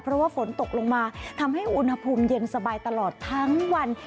เพราะว่าฝนตกลงมาทำให้อุณหภูมิเย็นสบายตลอดทั้งวัน